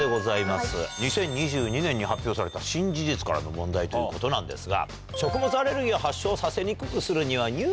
２０２２年に発表された新事実からの問題ということなんですが。